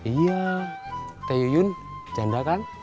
iya teh yun janda kan